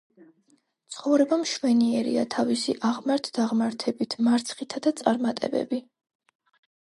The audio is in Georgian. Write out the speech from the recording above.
ცხოვრება მშვენიერია, თავისი აღმართ-დაღმართებით, მარცხითა და წარმატებები!